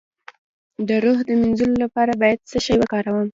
د روح د مینځلو لپاره باید څه شی وکاروم؟